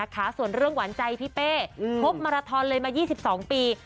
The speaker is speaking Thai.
ตั้งใจพี่เป้พบมาราทอนเลยมา๒๒ปี